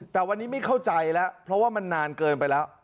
แต่วันนี้ไม่เข้าใจแล้วเพราะว่ามันนานเกินไปแล้ว